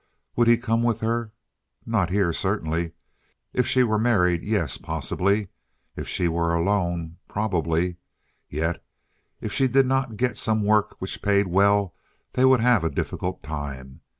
Would he come with her? Not here certainly. If she were married, yes, possibly. If she were alone—probably. Yet if she did not get some work which paid well they would have a difficult time.